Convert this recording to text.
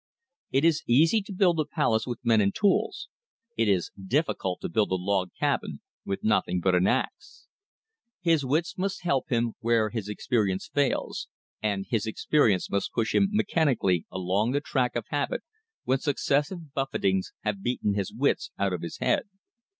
It is easy to build a palace with men and tools; it is difficult to build a log cabin with nothing but an ax. His wits must help him where his experience fails; and his experience must push him mechanically along the track of habit when successive buffetings have beaten his wits out of his head.